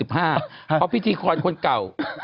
เพราะพิธีกรคนเก่า